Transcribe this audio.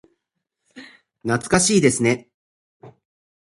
懐かしいですね。